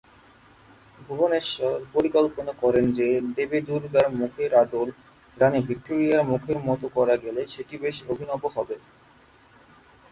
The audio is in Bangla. ভুবনেশ্বর পরিকল্পনা করেন যে দেবী দুর্গার মুখের আদল রানী ভিক্টোরিয়ার মুখের মত করা গেলে সেটি বেশ অভিনব হবে।